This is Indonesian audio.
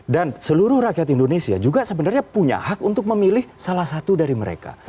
dan seluruh rakyat indonesia juga sebenarnya punya hak untuk memilih salah satu dari mereka